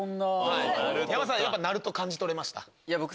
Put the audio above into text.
山田さんなると感じ取れました？